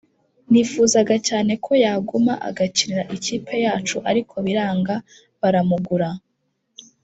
Nifuzaga cyane ko yaguma agakinira ikipe yacu ariko biranga baramugura